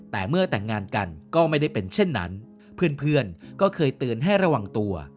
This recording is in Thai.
แต่เมื่อแต่งงานกันก็ไม่ได้เป็นเช่นนั้นเพื่อนก็เคยเตือนให้ระวังตัว